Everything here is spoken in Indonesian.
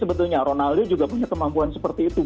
sebetulnya ronaldo juga punya kemampuan seperti itu